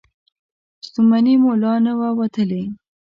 ستومني مو لا نه وه وتلې.